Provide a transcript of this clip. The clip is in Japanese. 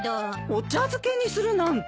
お茶漬けにするなんて。